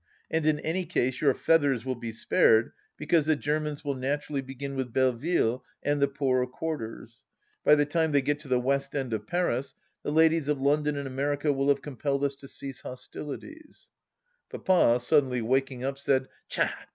And in any case your feathers will be spared, because the Germans will naturally begin with Belleville and the poorer quarters. By the time they get to the West End of Paris the ladies of London and America will have compelled us to cease hostilities 1 " Papa, suddenly waking up, said, " Tcha